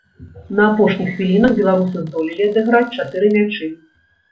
На апошніх хвілінах беларусы здолелі адыграць чатыры мячы.